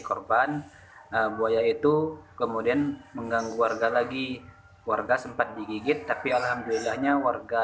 korban buaya itu kemudian mengganggu warga lagi warga sempat digigit tapi alhamdulillahnya warga